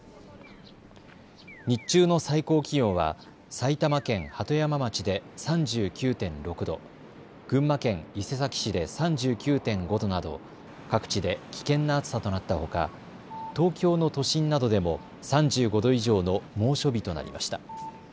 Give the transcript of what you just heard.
日中の最高気温は埼玉県鳩山町で３９．６度、群馬県伊勢崎市で３９．５度など各地で危険な暑さとなったほか東京の都心などでも３５度以上の猛暑日となりました。